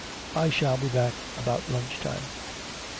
I shall be back about lunch time.'